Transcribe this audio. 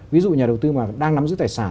ví dụ nhà đầu tư mà đang nắm giữ tài sản